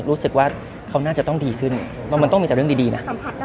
รู้สึกว่าเขาน่าจะต้องดีขึ้นมันต้องมีแต่เรื่องดีนะ